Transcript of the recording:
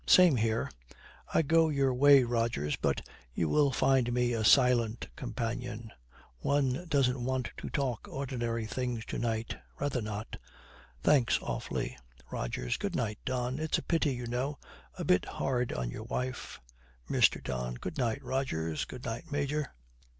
'Same here. I go your way, Rogers, but you will find me a silent companion. One doesn't want to talk ordinary things to night. Rather not. Thanks, awfully.' ROGERS. 'Good night, Don. It's a pity, you know; a bit hard on your wife.' MR. DON. 'Good night, Rogers. Good night, Major.'